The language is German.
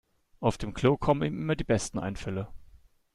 Auf dem Klo kommen ihm immer die besten Einfälle.